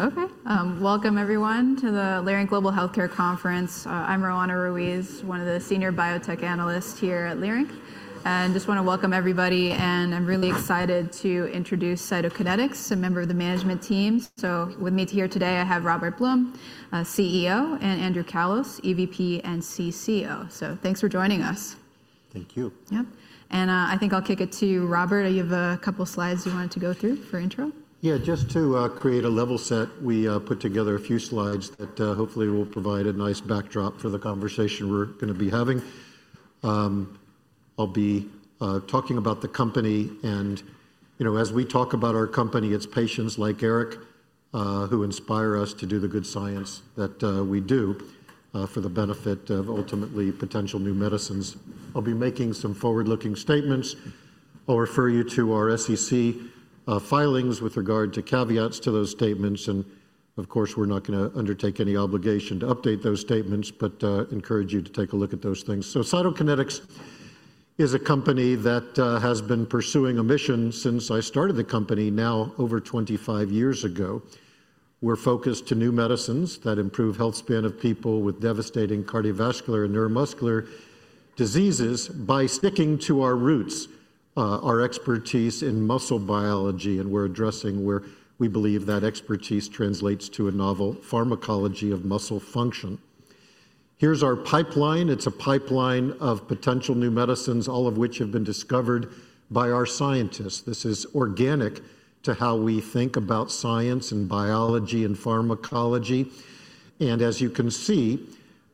Okay, welcome everyone to the Leerink Global Healthcare Conference. I'm Roanna Ruiz, one of the senior biotech analysts here at Leerink, and just want to welcome everybody. I'm really excited to introduce Cytokinetics, a member of the management team. With me here today, I have Robert Blum, CEO, and Andrew Callos, EVP and CCO. Thanks for joining us. Thank you. Yep. I think I'll kick it to you, Robert. You have a couple of slides you wanted to go through for intro? Yeah, just to create a level set, we put together a few slides that hopefully will provide a nice backdrop for the conversation we're going to be having. I'll be talking about the company. As we talk about our company, it's patients like Eric who inspire us to do the good science that we do for the benefit of ultimately potential new medicines. I'll be making some forward-looking statements. I refer you to our SEC filings with regard to caveats to those statements. Of course, we're not going to undertake any obligation to update those statements, but encourage you to take a look at those things. Cytokinetics is a company that has been pursuing a mission since I started the company now over 25 years ago. We're focused on new medicines that improve the health span of people with devastating cardiovascular and neuromuscular diseases by sticking to our roots, our expertise in muscle biology. We're addressing where we believe that expertise translates to a novel pharmacology of muscle function. Here's our pipeline. It's a pipeline of potential new medicines, all of which have been discovered by our scientists. This is organic to how we think about science and biology and pharmacology. As you can see,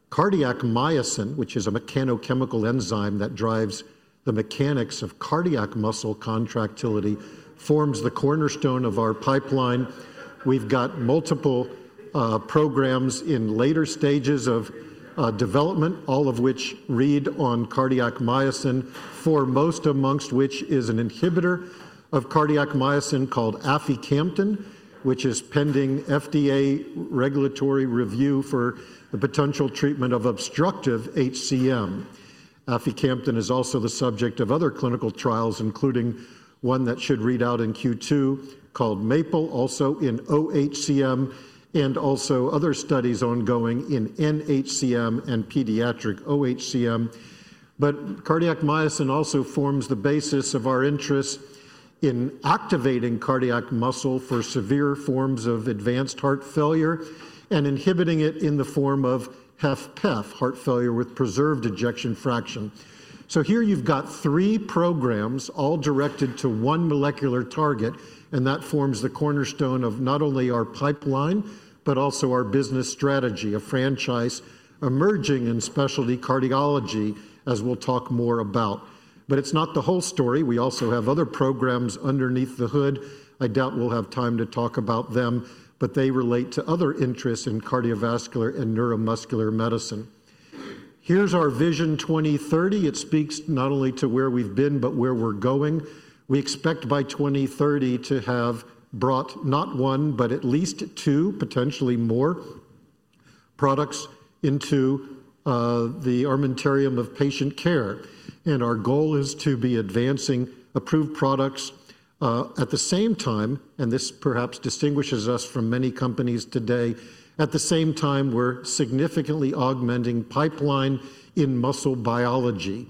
cardiac myosin, which is a mechanical chemical enzyme that drives the mechanics of cardiac muscle contractility, forms the cornerstone of our pipeline. We've got multiple programs in later stages of development, all of which read on cardiac myosin, foremost amongst which is an inhibitor of cardiac myosin called aficamten, which is pending FDA regulatory review for the potential treatment of obstructive HCM. aficamten is also the subject of other clinical trials, including one that should read out in Q2 called Maple, also in oHCM, and also other studies ongoing in nHCM and pediatric oHCM. Cardiac myosin also forms the basis of our interest in activating cardiac muscle for severe forms of advanced heart failure and inhibiting it in the form of HFpEF, heart failure with preserved ejection fraction. Here you've got three programs all directed to one molecular target, and that forms the cornerstone of not only our pipeline, but also our business strategy, a franchise emerging in specialty cardiology, as we'll talk more about. It's not the whole story. We also have other programs underneath the hood. I doubt we'll have time to talk about them, but they relate to other interests in cardiovascular and neuromuscular medicine. Here's our vision 2030. It speaks not only to where we've been, but where we're going. We expect by 2030 to have brought not one, but at least two, potentially more products into the armamentarium of patient care. Our goal is to be advancing approved products at the same time, and this perhaps distinguishes us from many companies today. At the same time, we're significantly augmenting pipeline in muscle biology.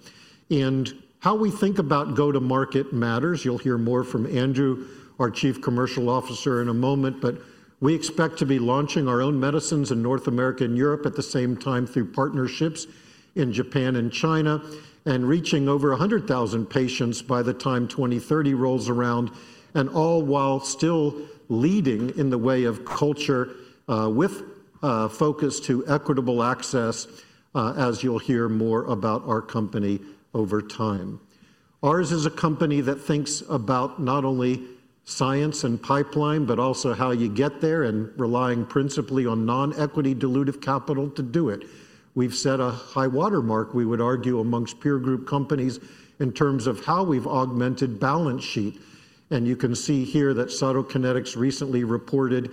How we think about go-to-market matters. You'll hear more from Andrew, our Chief Commercial Officer, in a moment, but we expect to be launching our own medicines in North America and Europe at the same time through partnerships in Japan and China, and reaching over 100,000 patients by the time 2030 rolls around, all while still leading in the way of culture with focus to equitable access, as you'll hear more about our company over time. Ours is a company that thinks about not only science and pipeline, but also how you get there and relying principally on non-equity dilutive capital to do it. We've set a high watermark, we would argue, amongst peer group companies in terms of how we've augmented balance sheet. You can see here that Cytokinetics recently reported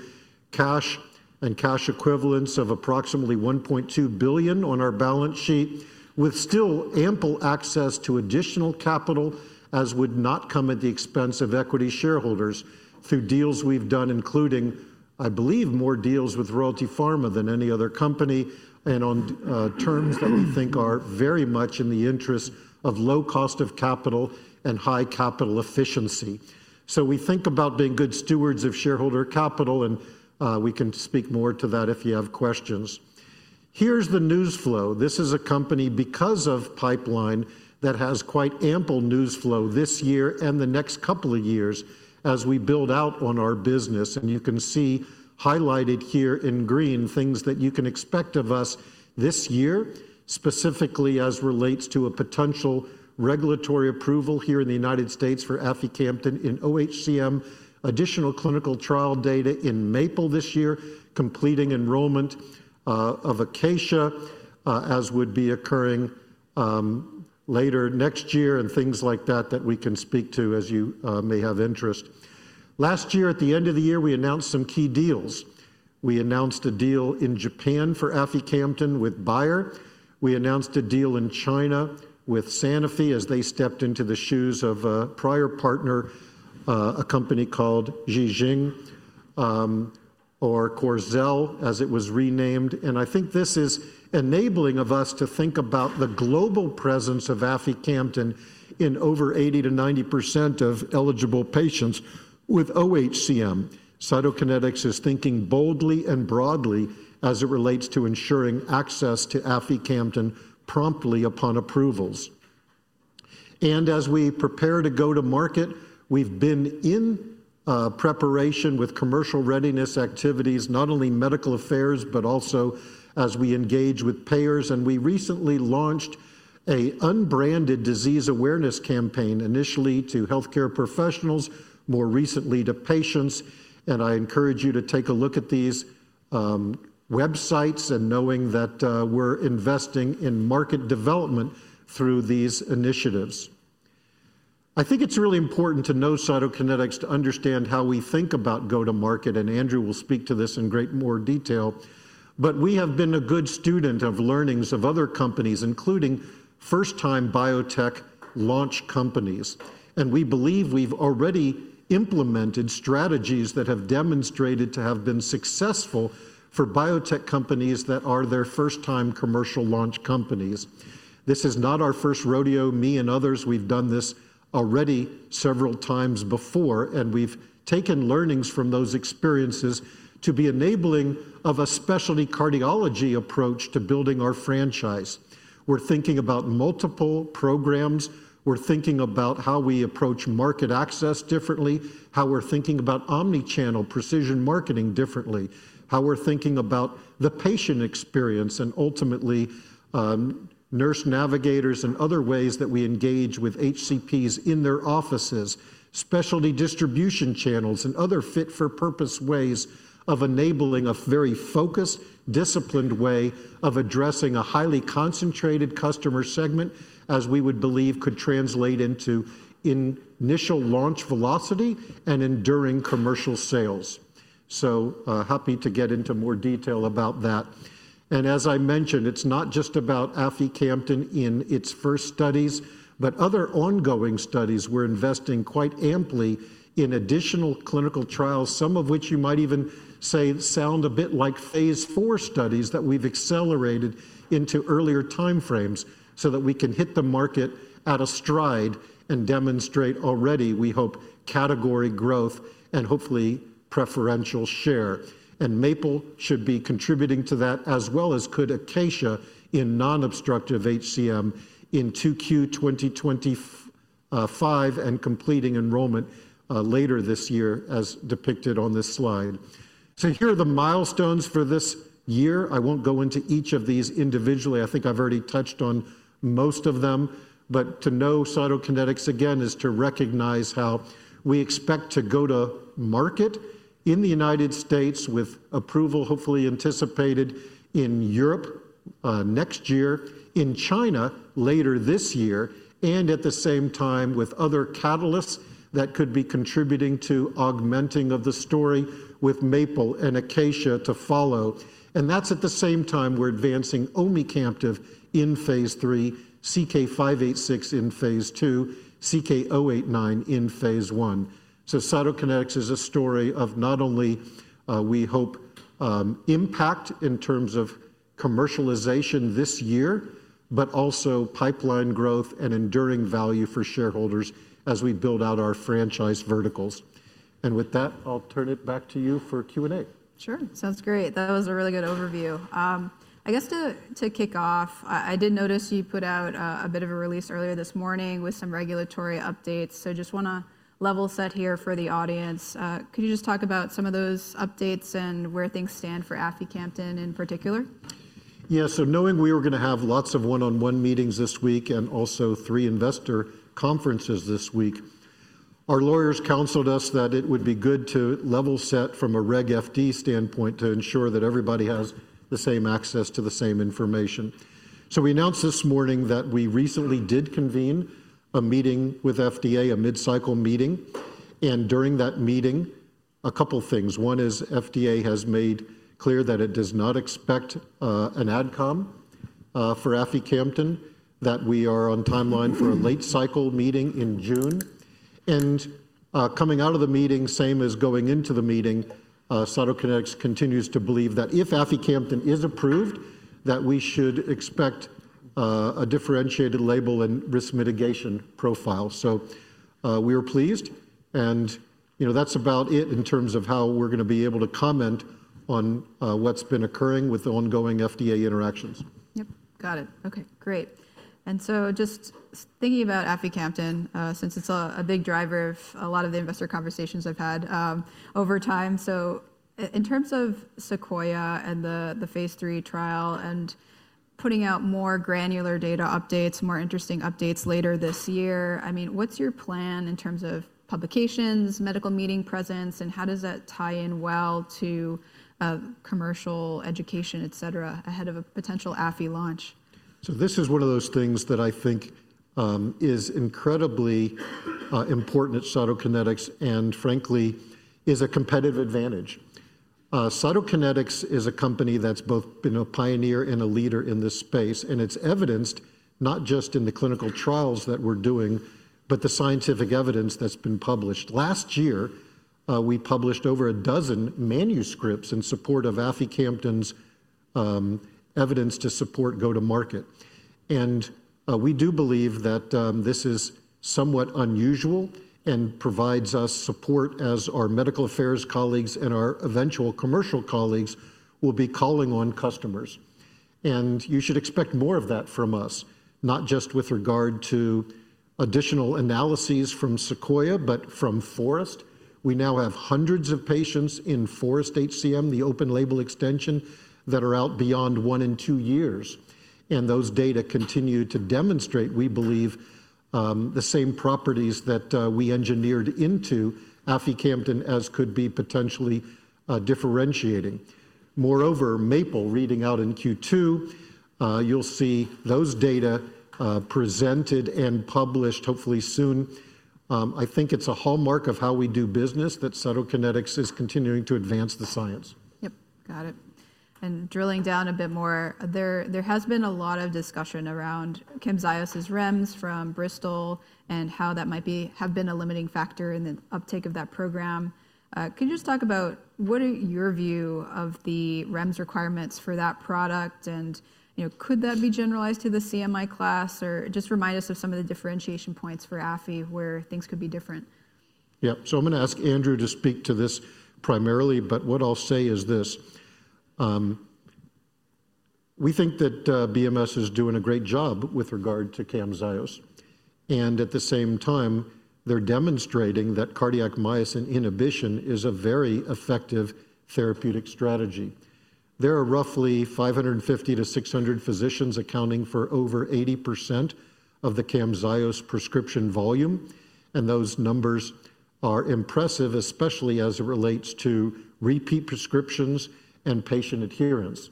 cash and cash equivalents of approximately $1.2 billion on our balance sheet, with still ample access to additional capital, as would not come at the expense of equity shareholders through deals we've done, including, I believe, more deals with Royalty Pharma than any other company, and on terms that we think are very much in the interest of low cost of capital and high capital efficiency. We think about being good stewards of shareholder capital, and we can speak more to that if you have questions. Here's the news flow. This is a company, because of pipeline, that has quite ample news flow this year and the next couple of years as we build out on our business. You can see highlighted here in green things that you can expect of us this year, specifically as it relates to a potential regulatory approval here in the United States for aficamten in oHCM, additional clinical trial data in Maple this year, completing enrollment of Acacia, as would be occurring later next year, and things like that that we can speak to as you may have interest. Last year, at the end of the year, we announced some key deals. We announced a deal in Japan for aficamten with Bayer. We announced a deal in China with Sanofi as they stepped into the shoes of a prior partner, a company called Ji Xing or CORXEL, as it was renamed. I think this is enabling of us to think about the global presence of aficamten in over 80%-90% of eligible patients with OHCM. Cytokinetics is thinking boldly and broadly as it relates to ensuring access to aficamten promptly upon approvals. As we prepare to go to market, we've been in preparation with commercial readiness activities, not only medical affairs, but also as we engage with payers. We recently launched an unbranded disease awareness campaign, initially to healthcare professionals, more recently to patients. I encourage you to take a look at these websites and knowing that we're investing in market development through these initiatives. I think it's really important to know Cytokinetics to understand how we think about go-to-market. Andrew will speak to this in great more detail. We have been a good student of learnings of other companies, including first-time biotech launch companies. We believe we've already implemented strategies that have demonstrated to have been successful for biotech companies that are their first-time commercial launch companies. This is not our first rodeo. Me and others, we've done this already several times before, and we've taken learnings from those experiences to be enabling of a specialty cardiology approach to building our franchise. We're thinking about multiple programs. We're thinking about how we approach market access differently, how we're thinking about omnichannel precision marketing differently, how we're thinking about the patient experience, and ultimately nurse navigators and other ways that we engage with HCPs in their offices, specialty distribution channels, and other fit-for-purpose ways of enabling a very focused, disciplined way of addressing a highly concentrated customer segment, as we would believe could translate into initial launch velocity and enduring commercial sales. Happy to get into more detail about that. As I mentioned, it's not just about aficamten in its first studies, but other ongoing studies. We're investing quite amply in additional clinical trials, some of which you might even say sound a bit like phase IV studies that we've accelerated into earlier timeframes so that we can hit the market at a stride and demonstrate already, we hope, category growth and hopefully preferential share. Maple should be contributing to that, as well as could Acacia in non-obstructive HCM in Q2 2025 and completing enrollment later this year, as depicted on this slide. Here are the milestones for this year. I won't go into each of these individually. I think I've already touched on most of them. To know Cytokinetics again is to recognize how we expect to go to market in the United States with approval hopefully anticipated in Europe next year, in China later this year, and at the same time with other catalysts that could be contributing to augmenting of the story with Maple and Acacia to follow. That is at the same time we're advancing omecamtiv mecarbil in phase III, CK-586 in phase II, CK-089 in phase I. Cytokinetics is a story of not only, we hope, impact in terms of commercialization this year, but also pipeline growth and enduring value for shareholders as we build out our franchise verticals. With that, I'll turn it back to you for Q&A. Sure. Sounds great. That was a really good overview. I guess to kick off, I did notice you put out a bit of a release earlier this morning with some regulatory updates. Just want to level set here for the audience. Could you just talk about some of those updates and where things stand for aficamten in particular? Yeah, so knowing we were going to have lots of one-on-one meetings this week and also three investor conferences this week, our lawyers counseled us that it would be good to level set from a Reg FD standpoint to ensure that everybody has the same access to the same information. We announced this morning that we recently did convene a meeting with FDA, a mid-cycle meeting. During that meeting, a couple of things. One is FDA has made clear that it does not expect an adcom for aficamten, that we are on timeline for a late-cycle meeting in June. Coming out of the meeting, same as going into the meeting, Cytokinetics continues to believe that if aficamten is approved, that we should expect a differentiated label and risk mitigation profile. We are pleased. That is about it in terms of how we are going to be able to comment on what has been occurring with ongoing FDA interactions. Yep. Got it. Okay, great. Just thinking about aficamten, since it's a big driver of a lot of the investor conversations I've had over time. In terms of Sequoia and the phase III trial and putting out more granular data updates, more interesting updates later this year, I mean, what's your plan in terms of publications, medical meeting presence, and how does that tie in well to commercial education, et cetera, ahead of a potential AFI launch? This is one of those things that I think is incredibly important at Cytokinetics and, frankly, is a competitive advantage. Cytokinetics is a company that's both been a pioneer and a leader in this space. It is evidenced not just in the clinical trials that we're doing, but the scientific evidence that's been published. Last year, we published over a dozen manuscripts in support of aficamten's evidence to support go-to-market. We do believe that this is somewhat unusual and provides us support as our medical affairs colleagues and our eventual commercial colleagues will be calling on customers. You should expect more of that from us, not just with regard to additional analyses from Sequoia, but from Forest. We now have hundreds of patients in Forest-HCM, the open label extension, that are out beyond one and two years. Those data continue to demonstrate, we believe, the same properties that we engineered into aficamten as could be potentially differentiating. Moreover, Maple reading out in Q2, you'll see those data presented and published hopefully soon. I think it's a hallmark of how we do business that Cytokinetics is continuing to advance the science. Yep. Got it. Drilling down a bit more, there has been a lot of discussion around Camzyos' REMS from Bristol and how that might have been a limiting factor in the uptake of that program. Could you just talk about what are your view of the REMS requirements for that product? Could that be generalized to the CMI class or just remind us of some of the differentiation points for AFI where things could be different? Yeah, so I'm going to ask Andrew to speak to this primarily, but what I'll say is this. We think that BMS is doing a great job with regard to Camzyos. At the same time, they're demonstrating that cardiac myosin inhibition is a very effective therapeutic strategy. There are roughly 550-600 physicians accounting for over 80% of the Camzyos prescription volume. Those numbers are impressive, especially as it relates to repeat prescriptions and patient adherence.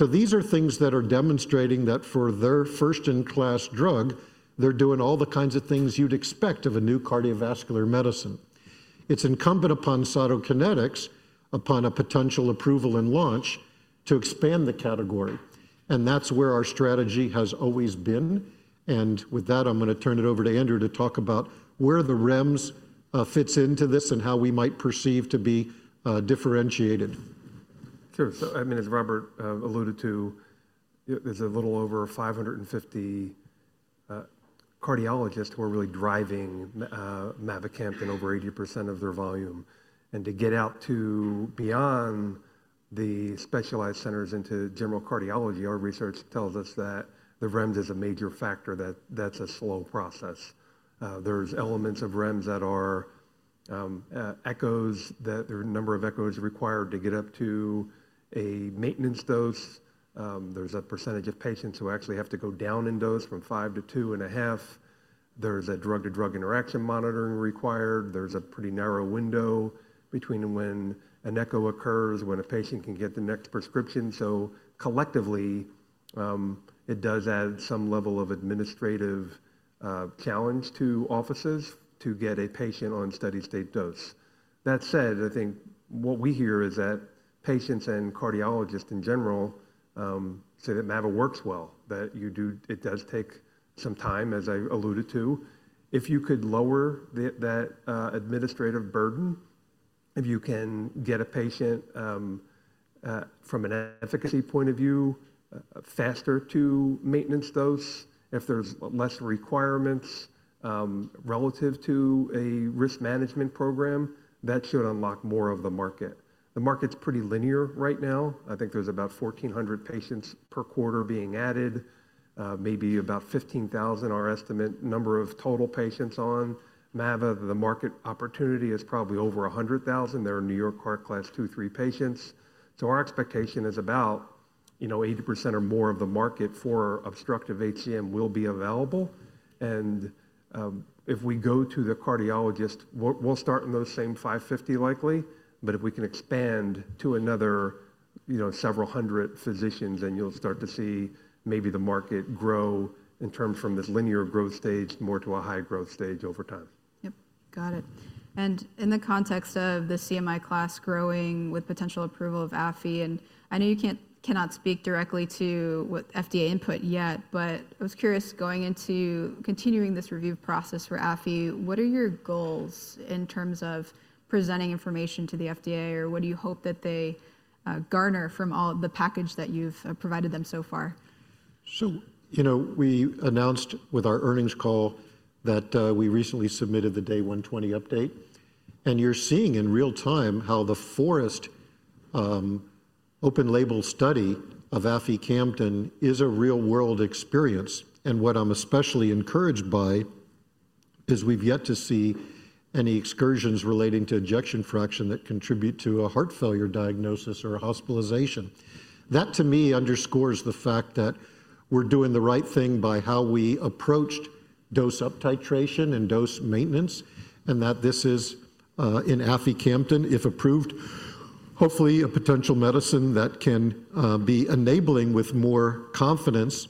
These are things that are demonstrating that for their first-in-class drug, they're doing all the kinds of things you'd expect of a new cardiovascular medicine. It's incumbent upon Cytokinetics, upon a potential approval and launch, to expand the category. That's where our strategy has always been. With that, I'm going to turn it over to Andrew to talk about where the REMS fits into this and how we might perceive to be differentiated. Sure. I mean, as Robert alluded to, there's a little over 550 cardiologists who are really driving mavacamten in over 80% of their volume. To get out to beyond the specialized centers into general cardiology, our research tells us that the REMS is a major factor that that's a slow process. There are elements of REMS that are echoes, that there are a number of echoes required to get up to a maintenance dose. There's a percentage of patients who actually have to go down in dose from 5 mg to 2.5 mg. There's a drug-to-drug interaction monitoring required. There's a pretty narrow window between when an echo occurs and when a patient can get the next prescription. Collectively, it does add some level of administrative challenge to offices to get a patient on steady-state dose. That said, I think what we hear is that patients and cardiologists in general say that mavacamten works well, that it does take some time, as I alluded to. If you could lower that administrative burden, if you can get a patient from an efficacy point of view faster to maintenance dose, if there's less requirements relative to a risk management program, that should unlock more of the market. The market's pretty linear right now. I think there's about 1,400 patients per quarter being added, maybe about 15,000, our estimate number of total patients on mavacamten. The market opportunity is probably over 100,000. There are New York Heart Association Class II-III patients. Our expectation is about 80% or more of the market for obstructive HCM will be available. If we go to the cardiologist, we'll start in those same 550 likely, but if we can expand to another several hundred physicians, then you'll start to see maybe the market grow in terms from this linear growth stage more to a high growth stage over time. Yep. Got it. In the context of the CMI class growing with potential approval of AFI, and I know you cannot speak directly to what FDA input yet, I was curious going into continuing this review process for AFI, what are your goals in terms of presenting information to the FDA or what do you hope that they garner from all the package that you've provided them so far? We announced with our earnings call that we recently submitted the Day 120 update. You're seeing in real time how the Forest open label study of aficamten is a real-world experience. What I'm especially encouraged by is we've yet to see any excursions relating to ejection fraction that contribute to a heart failure diagnosis or a hospitalization. That to me underscores the fact that we're doing the right thing by how we approached dose up titration and dose maintenance and that this is in aficamten, if approved, hopefully a potential medicine that can be enabling with more confidence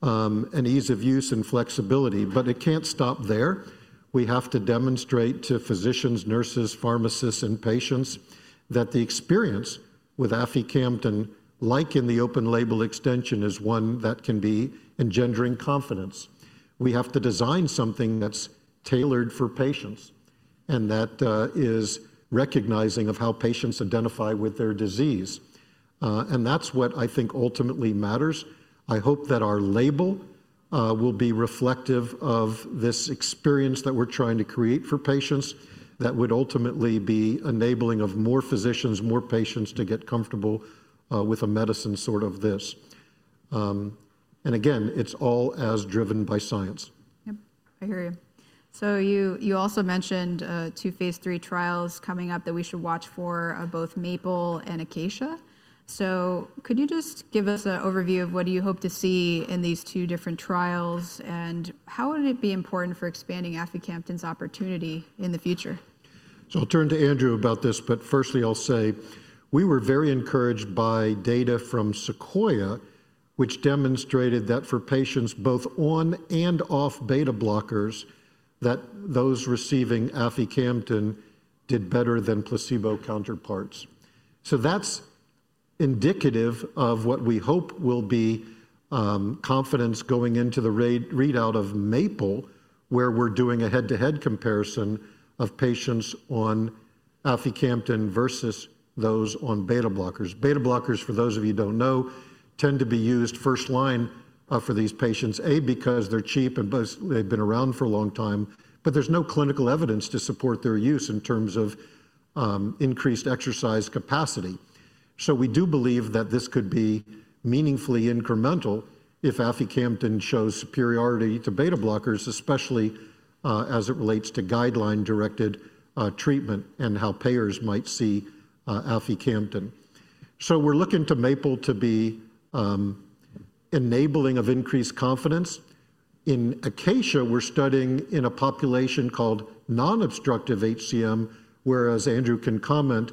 and ease of use and flexibility. It can't stop there. We have to demonstrate to physicians, nurses, pharmacists, and patients that the experience with aficamten, like in the open label extension, is one that can be engendering confidence. We have to design something that's tailored for patients and that is recognizing of how patients identify with their disease. That is what I think ultimately matters. I hope that our label will be reflective of this experience that we're trying to create for patients that would ultimately be enabling of more physicians, more patients to get comfortable with a medicine sort of this. Again, it's all as driven by science. Yep. I hear you. You also mentioned two phase III trials coming up that we should watch for, both Maple and Acacia. Could you just give us an overview of what do you hope to see in these two different trials and how would it be important for expanding aficamten's opportunity in the future? I'll turn to Andrew about this, but firstly, I'll say we were very encouraged by data from Sequoia, which demonstrated that for patients both on and off beta blockers, that those receiving aficamten did better than placebo counterparts. That's indicative of what we hope will be confidence going into the readout of Maple, where we're doing a head-to-head comparison of patients on aficamten versus those on beta blockers. Beta blockers, for those of you who don't know, tend to be used first line for these patients, A, because they're cheap and they've been around for a long time, but there's no clinical evidence to support their use in terms of increased exercise capacity. We do believe that this could be meaningfully incremental if aficamten shows superiority to beta blockers, especially as it relates to guideline-directed treatment and how payers might see aficamten. We're looking to Maple to be enabling of increased confidence. In Acacia, we're studying in a population called non-obstructive HCM, whereas Andrew can comment,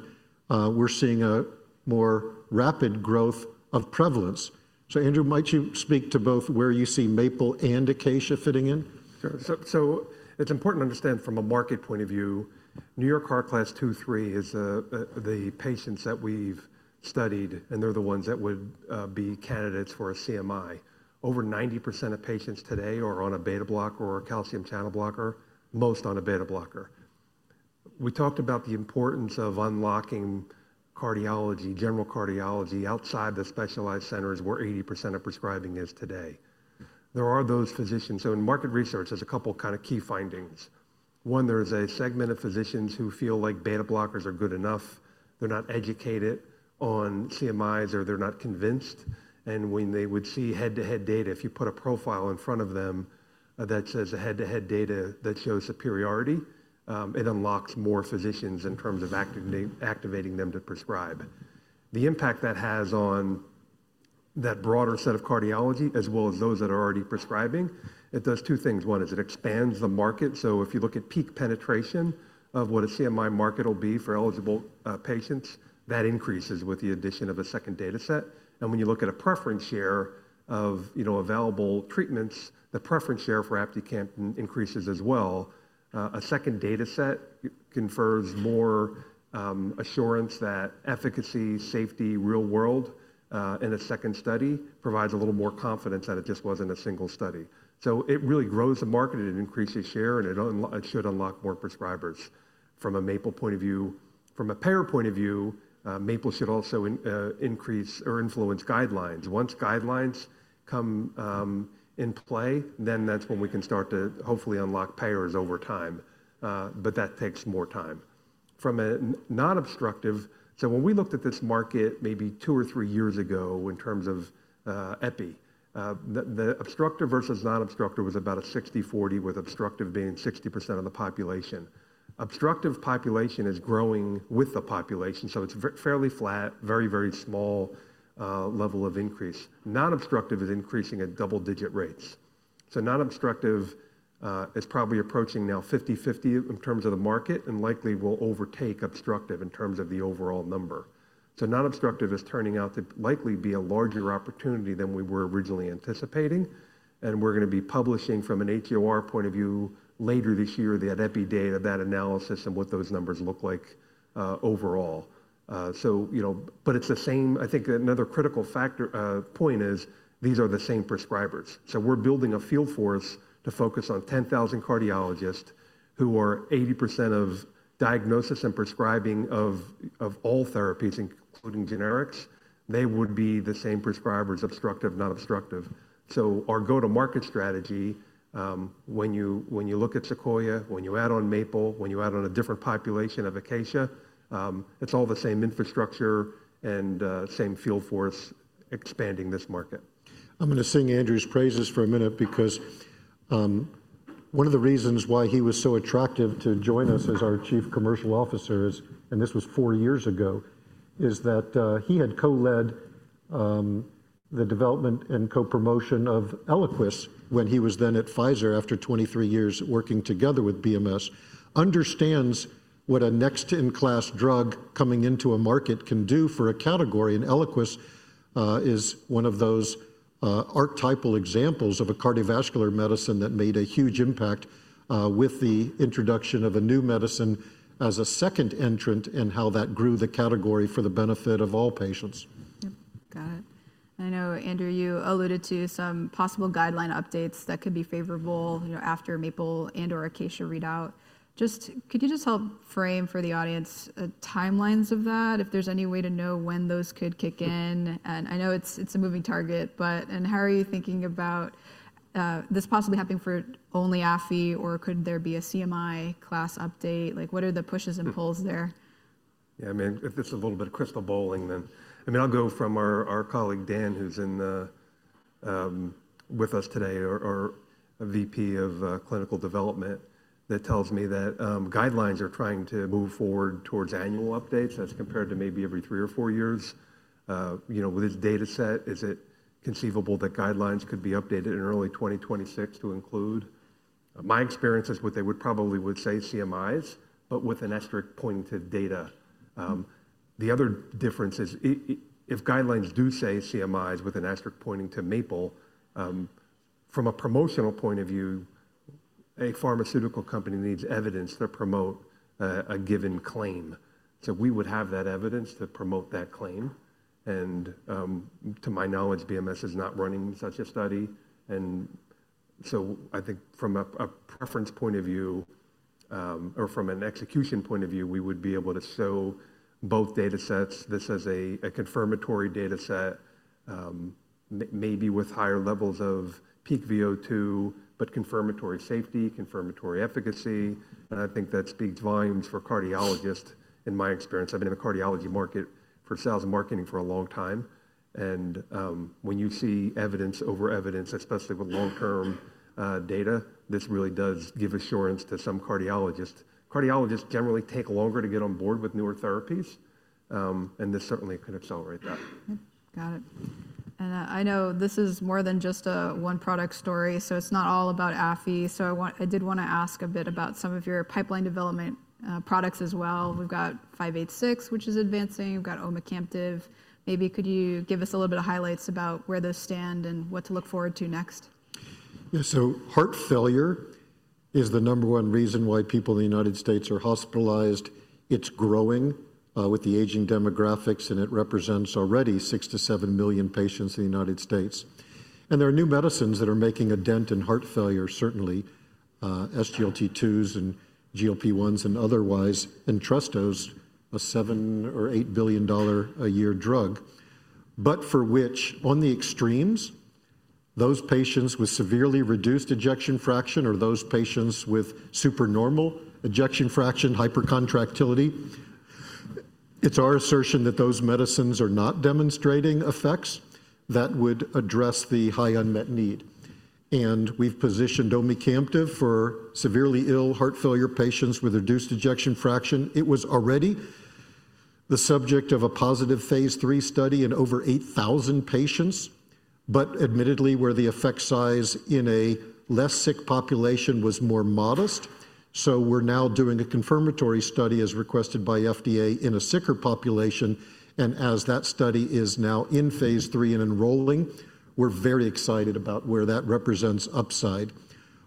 we're seeing a more rapid growth of prevalence. Andrew, might you speak to both where you see Maple and Acacia fitting in? Sure. It is important to understand from a market point of view, New York Heart Association Class II-III is the patients that we have studied, and they are the ones that would be candidates for a CMI. Over 90% of patients today are on a beta blocker or a calcium channel blocker, most on a beta blocker. We talked about the importance of unlocking cardiology, general cardiology outside the specialized centers where 80% of prescribing is today. There are those physicians. In market research, there are a couple of kind of key findings. One, there is a segment of physicians who feel like beta blockers are good enough. They are not educated on CMIs or they are not convinced. When they would see head-to-head data, if you put a profile in front of them that says the head-to-head data that shows superiority, it unlocks more physicians in terms of activating them to prescribe. The impact that has on that broader set of cardiology as well as those that are already prescribing, it does two things. One is it expands the market. If you look at peak penetration of what a CMI market will be for eligible patients, that increases with the addition of a second data set. When you look at a preference share of available treatments, the preference share for aficamten increases as well. A second data set confers more assurance that efficacy, safety, real world in a second study provides a little more confidence that it just was not a single study. It really grows the market and increases share, and it should unlock more prescribers from a Maple point of view. From a payer point of view, Maple should also increase or influence guidelines. Once guidelines come in play, then that's when we can start to hopefully unlock payers over time, but that takes more time. From a non-obstructive, so when we looked at this market maybe two or three years ago in terms of Epi, the obstructive versus non-obstructive was about a 60/40, with obstructive being 60% of the population. Obstructive population is growing with the population, so it's fairly flat, very, very small level of increase. Non-obstructive is increasing at double-digit rates. Non-obstructive is probably approaching now 50/50 in terms of the market and likely will overtake obstructive in terms of the overall number. Non-obstructive is turning out to likely be a larger opportunity than we were originally anticipating. We're going to be publishing from HEOR point of view later this year that Epi data, that analysis and what those numbers look like overall. I think another critical point is these are the same prescribers. So we're building a field force to focus on 10,000 cardiologists who are 80% of diagnosis and prescribing of all therapies, including generics. They would be the same prescribers, obstructive, non-obstructive. So our go-to-market strategy, when you look at Sequoia, when you add on Maple, when you add on a different population of Acacia, it's all the same infrastructure and same field force expanding this market. I'm going to sing Andrew's praises for a minute because one of the reasons why he was so attractive to join us as our Chief Commercial Officer, and this was four years ago, is that he had co-led the development and co-promotion of Eliquis when he was then at Pfizer after 23 years working together with BMS, understands what a next-in-class drug coming into a market can do for a category. Eliquis is one of those archetypal examples of a cardiovascular medicine that made a huge impact with the introduction of a new medicine as a second entrant and how that grew the category for the benefit of all patients. Yep. Got it. I know, Andrew, you alluded to some possible guideline updates that could be favorable after Maple and/or Acacia readout. Could you just help frame for the audience timelines of that, if there's any way to know when those could kick in? I know it's a moving target, but how are you thinking about this possibly happening for only AFI, or could there be a CMI class update? What are the pushes and pulls there? Yeah, I mean, if it's a little bit of crystal balling, then I mean, I'll go from our colleague Dan, who's with us today, our VP of clinical development, that tells me that guidelines are trying to move forward towards annual updates as compared to maybe every three or four years. With his data set, is it conceivable that guidelines could be updated in early 2026 to include? My experience is what they would probably say CMIs, but with an asterisk pointing to data. The other difference is if guidelines do say CMIs with an asterisk pointing to Maple, from a promotional point of view, a pharmaceutical company needs evidence to promote a given claim. We would have that evidence to promote that claim. To my knowledge, BMS is not running such a study. I think from a preference point of view or from an execution point of view, we would be able to show both data sets. This is a confirmatory data set, maybe with higher levels of peak VO2, but confirmatory safety, confirmatory efficacy. I think that speaks volumes for cardiologists. In my experience, I've been in the cardiology market for sales and marketing for a long time. When you see evidence over evidence, especially with long-term data, this really does give assurance to some cardiologists. Cardiologists generally take longer to get on board with newer therapies, and this certainly could accelerate that. Got it. I know this is more than just a one product story, so it's not all about AFI. I did want to ask a bit about some of your pipeline development products as well. We've got CK-586, which is advancing. We've got omecamtiv. Maybe could you give us a little bit of highlights about where those stand and what to look forward to next? Yeah, heart failure is the number one reason why people in the United States are hospitalized. It's growing with the aging demographics, and it represents already 6 million to 7 million patients in the United States. There are new medicines that are making a dent in heart failure, certainly SGLT2s and GLP-1s and otherwise, Entresto, a $7 billion-$8 billion a year drug, but for which on the extremes, those patients with severely reduced ejection fraction or those patients with supernormal ejection fraction, hypercontractility, it's our assertion that those medicines are not demonstrating effects that would address the high unmet need. We've positioned omecamtiv mecarbil for severely ill heart failure patients with reduced ejection fraction. It was already the subject of a positive phase III study in over 8,000 patients, but admittedly, where the effect size in a less sick population was more modest. We're now doing a confirmatory study as requested by FDA in a sicker population. As that study is now in phase III and enrolling, we're very excited about where that represents upside.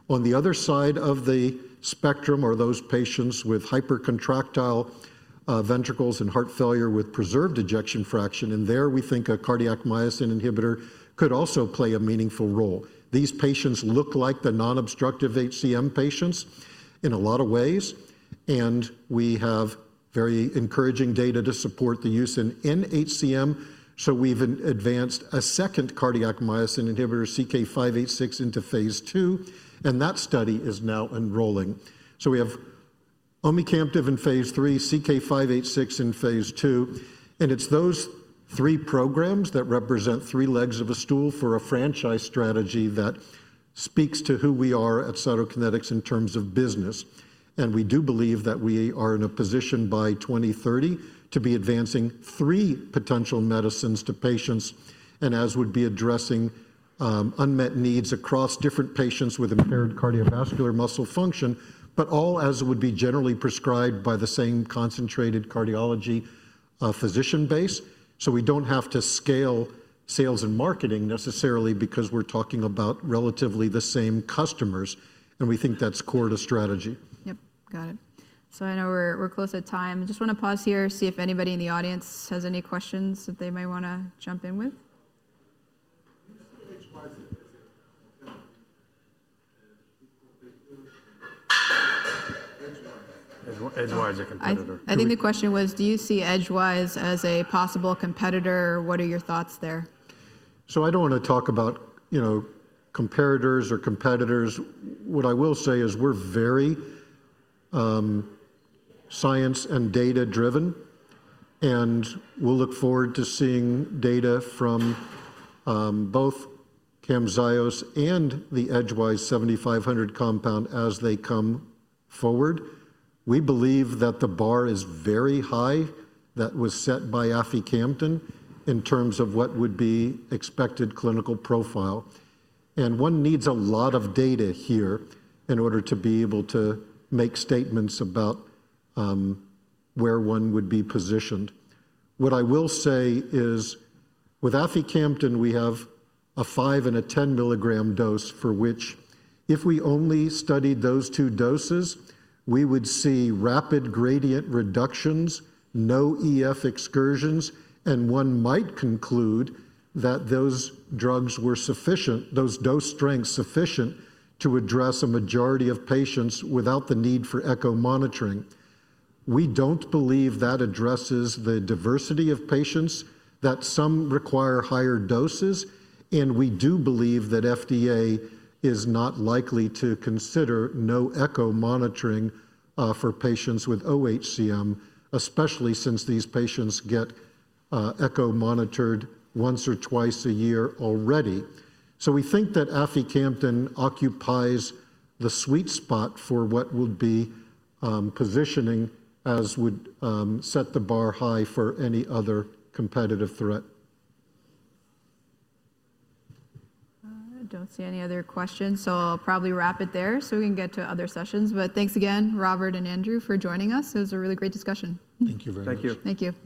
On the other side of the spectrum are those patients with hypercontractile ventricles and heart failure with preserved ejection fraction. There we think a cardiac myosin inhibitor could also play a meaningful role. These patients look like the non-obstructive HCM patients in a lot of ways. We have very encouraging data to support the use in nHCM. We've advanced a second cardiac myosin inhibitor, CK-586, into phase II, and that study is now enrolling. We have omecamtiv mecarbil in phase III, CK-586 in phase II. It's those three programs that represent three legs of a stool for a franchise strategy that speaks to who we are at Cytokinetics in terms of business. We do believe that we are in a position by 2030 to be advancing three potential medicines to patients and as would be addressing unmet needs across different patients with impaired cardiovascular muscle function, but all as would be generally prescribed by the same concentrated cardiology physician base. We do not have to scale sales and marketing necessarily because we are talking about relatively the same customers, and we think that is core to strategy. Yep. Got it. I know we're close to time. Just want to pause here, see if anybody in the audience has any questions that they might want to jump in with. I think the question was, do you see Edgewise as a possible competitor? What are your thoughts there? I do not want to talk about comparators or competitors. What I will say is we're very science and data-driven, and we'll look forward to seeing data from both Camzyos and the Edgewise 7500 compound as they come forward. We believe that the bar is very high that was set by aficamten in terms of what would be expected clinical profile. One needs a lot of data here in order to be able to make statements about where one would be positioned. What I will say is with aficamten, we have a 5 mg and a 10 mg dose for which if we only studied those two doses, we would see rapid gradient reductions, no EF excursions, and one might conclude that those drugs were sufficient, those dose strengths sufficient to address a majority of patients without the need for echo monitoring. We do not believe that addresses the diversity of patients that some require higher doses, and we do believe that FDA is not likely to consider no echo monitoring for patients with oHCM, especially since these patients get echo monitored once or twice a year already. We think that aficamten occupies the sweet spot for what would be positioning as would set the bar high for any other competitive threat. I don't see any other questions, so I'll probably wrap it there so we can get to other sessions. Thanks again, Robert and Andrew, for joining us. It was a really great discussion. Thank you very much. Thank you. Thank you.